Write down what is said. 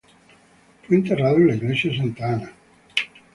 Fue enterrado en la Iglesia de Santa Ana en St.